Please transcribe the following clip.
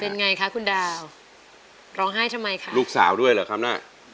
เป็นไงคะคุณดาวร้องไห้ทำไมคะลูกสาวด้วยเหรอครับน่ะ